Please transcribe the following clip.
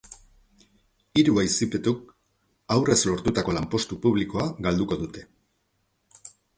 Hiru auzipetuk aurrez lortutako lanpostu publikoa galduko dute.